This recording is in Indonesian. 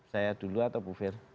saya dulu atau bu fir